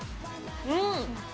うん。